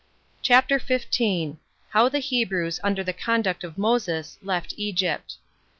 CHAPTER 15. How The Hebrews Under The Conduct Of Moses Left Egypt.